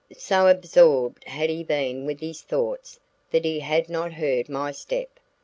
So absorbed had he been with his thoughts, that he had not heard my step.